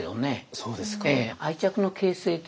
そうですか。